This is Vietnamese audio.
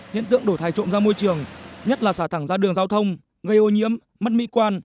hiện tượng đổ thai trộm ra môi trường nhất là xả thẳng ra đường giao thông gây ô nhiễm mất mỹ quan